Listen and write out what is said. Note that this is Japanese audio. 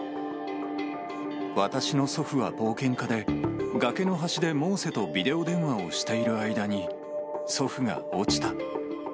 私の祖父は冒険家で、崖の端でモーセとビデオ電話をしている間に、祖父が落ちた。